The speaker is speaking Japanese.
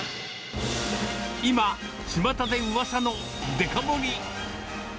今、ちまたでうわさのデカ盛り。